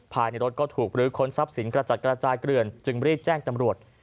ภายในรถก็ถูกหรือค้นทรัพย์สินกระจัดกระจายเกลื่อนจึงรีบแจ้งตำรวจ